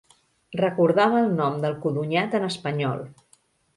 Recordava el nom del codonyat en espanyol.